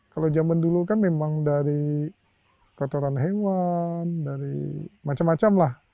kalau zaman dulu kan memang dari kotoran hewan dari macam macam lah